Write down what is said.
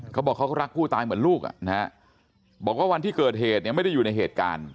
เขาบอกเขาก็รักผู้ตายเหมือนลูกบอกว่าวันที่เกิดเหตุเนี่ยไม่ได้อยู่ในเหตุการณ์